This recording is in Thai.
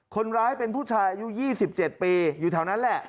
คนร้ายเป็นผู้ชายอายุ๒๗ปีอยู่แถวนั้นแหละ